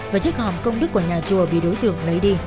và chức hỏng công đức của nhà chùa bị đối tượng